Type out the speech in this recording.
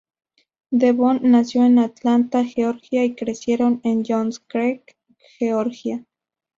Devon nació en Atlanta, Georgia, y creció en Johns Creek, Georgia.